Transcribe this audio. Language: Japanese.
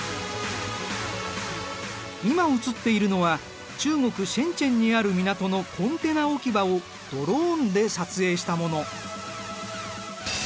今映っているのは中国深にある港のコンテナ置き場をドローンで撮影したもの。